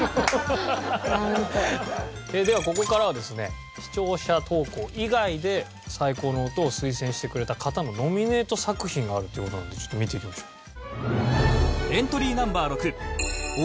ではここからはですね視聴者投稿以外で最高の音を推薦してくれた方のノミネート作品があるっていう事なのでちょっと見ていきましょう。